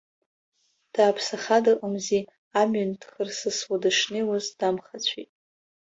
Дааԥсаха дыҟамзи, амҩан дхырсысуа дышнеиуаз, дамхацәеит.